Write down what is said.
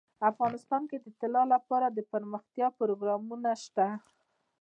افغانستان کې د طلا لپاره دپرمختیا پروګرامونه شته.